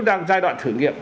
đang giai đoạn thử nghiệm